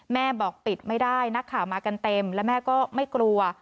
แม่บอกปิดไม่ได้นักข่าวมากันเต็มและแม่ก็ไม่กลัว